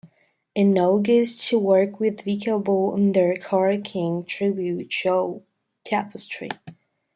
In August she worked with Vika Bull in their Carole King tribute show, "Tapestry".